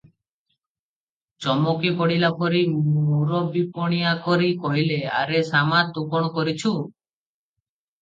ଚମକି ପଡ଼ିଲାପରି ମୁରବିପଣିଆ କରି କହିଲେ, 'ଆରେ ଶାମା ତୁ କଣ କରିଛୁ?